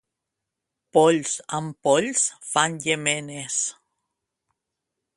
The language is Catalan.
Polls amb polls fan llémenes.